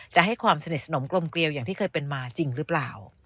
จะให้ความสนิทสนมกลมเกลียวอย่างที่เคยเป็นมาจริงหรือเปล่า